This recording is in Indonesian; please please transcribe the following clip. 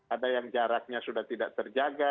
ada yang jaraknya sudah tidak terjaga